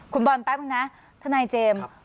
คุณบอลแป๊บนึงนะทนายเจมส์